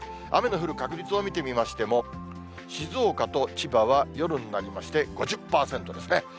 雨の降る確率を見てみましても、静岡と千葉は夜になりまして５０％ですね。